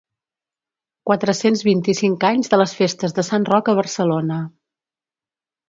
Quatre-cents vint-i-cinc anys de les Festes de Sant Roc a Barcelona.